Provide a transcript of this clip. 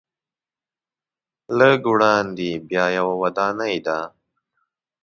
لږ وړاندې بیا یوه ودانۍ ده.